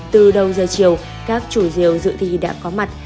từ đầu giờ chiều các chủ diều dự thi đã có mặt